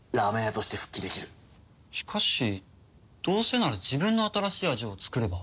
しかしどうせなら自分の新しい味を作れば。